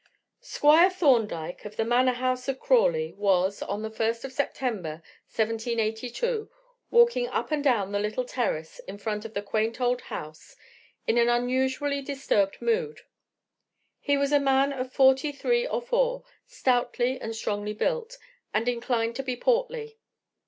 Squire Thorndyke, of the Manor House of Crawley, was, on the 1st of September; 1782, walking up and down the little terrace in front of the quaint old house in an unusually disturbed mood. He was a man of forty three or four, stoutly and strongly built, and inclined to be portly.